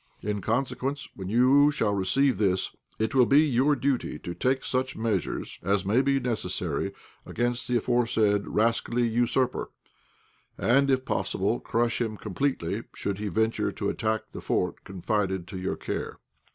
In consequence, when you shall receive this, it will be your duty to take such measures as may be necessary against the aforesaid rascally usurper, and, if possible, crush him completely should he venture to attack the fort confided to your care."